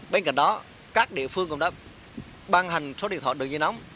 bên cạnh đó các địa phương cũng đã ban hành số điện thoại đường dây nóng